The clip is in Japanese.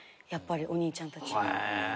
やっぱりお兄ちゃんたち。